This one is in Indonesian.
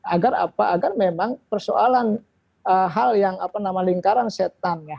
agar apa agar memang persoalan hal yang apa nama lingkaran setan